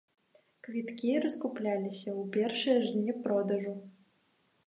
Квіткі раскупляліся ў першыя ж дні продажу.